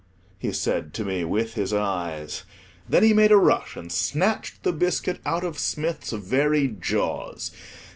he said to me with his eyes. Then he made a rush and snatched the biscuit out of Smith's very jaws.